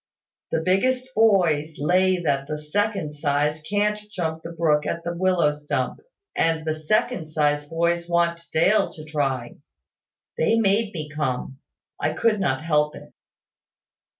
The biggest boys lay that the second size can't jump the brook at the willow stump; and the second size boys want Dale to try. They made me come. I could not help it."